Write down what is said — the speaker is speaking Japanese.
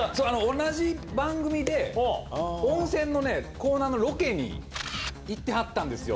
同じ番組で、温泉のね、コーナーのロケに行ってはったんですよ。